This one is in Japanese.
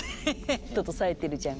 トットさえてるじゃん。